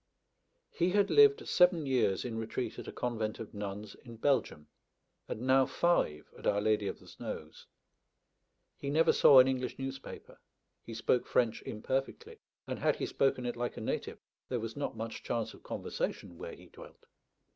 He had lived seven years in retreat at a convent of nuns in Belgium, and now five at Our Lady of the Snows; he never saw an English newspaper; he spoke French imperfectly, and had he spoken it like a native, there was not much chance of conversation where he dwelt.